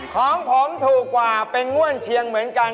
ของผมถูกกว่าเป็นง่วนเชียงเหมือนกัน